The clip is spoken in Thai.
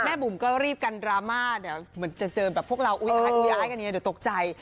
แม่บุ๋มก็รีบกันราม่าเหมือนจะเจอแบบพวกเราอุ๊ยไอด์อันนี้เดี๋ยวตกใจ